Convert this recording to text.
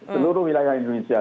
seluruh wilayah indonesia